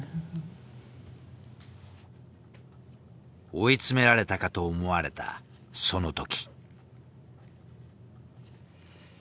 追い詰められたかと思われたその時。